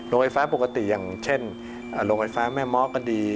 ไฟฟ้าปกติอย่างเช่นโรงไฟฟ้าแม่ม้อก็ดี